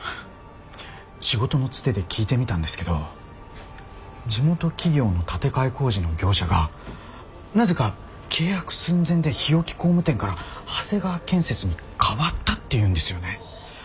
仕事のツテで聞いてみたんですけど地元企業の建て替え工事の業者がなぜか契約寸前で日置工務店から長谷川建設に変わったっていうんですよね。